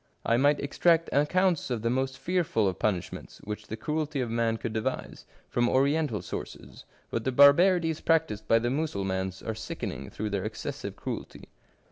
I might extract accounts of the most fearful of punishments which the cruelty of man could devise, from Oriental sources, but the barbarities practised by the Mussulmans are sickening through their excessive cruelty.